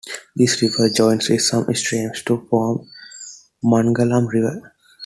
This river joins with some streams to form Mangalam River.